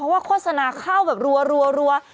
เพราะว่าโฆษณาเข้าแบบรัว